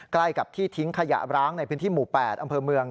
ใกล้กับที่ทิ้งขยะร้างในพื้นที่หมู่๘อำเภอเมือง